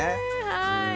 はい。